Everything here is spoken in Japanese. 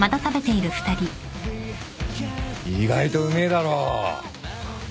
意外とうめえだろ？なあ？